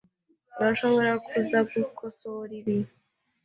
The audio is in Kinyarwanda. Urashobora kuza gukosora ibi?